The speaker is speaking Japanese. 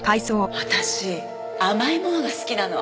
私甘いものが好きなの。